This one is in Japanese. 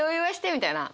みたいな。